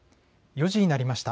４時になりました。